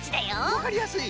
わかりやすい。